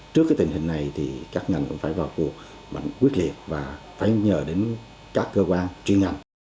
trước tình hình này các ngành cũng phải vào cuộc bệnh quyết liệt và phải nhờ đến các cơ quan chuyên ngành